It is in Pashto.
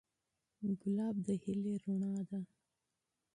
ګلاب د امید رڼا ده.